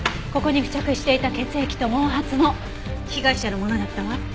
ここに付着していた血液と毛髪も被害者のものだったわ。